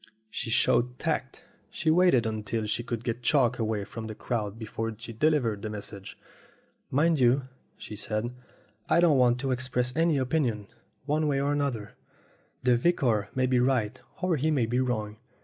She showed tact. She waited until she could get Chalk away from the crowd before she delivered her message. "Mind you," she said, "I don't want to express any opinion one way or the other. The vicar may be right or he may be wrong.